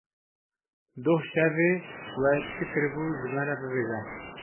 Doh şevê we çi kiribû ji me re bibêje.